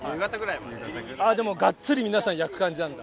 でもがっつり皆さん、焼く感じなんだ。